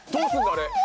あれ。